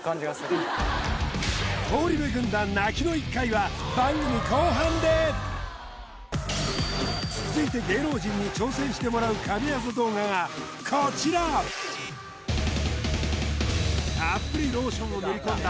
東リベ軍団泣きの１回は番組後半で続いて芸能人に挑戦してもらう神業動画がこちらたっぷりローションを塗り込んだ